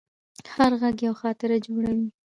هر غږ یوه خاطره جوړوي.